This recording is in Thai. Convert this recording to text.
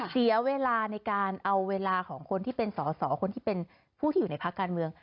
เสียเวลาในการเอาเวลาของคนที่เป็นสอสอคนที่เป็นผู้ที่อยู่ในพักการเมือง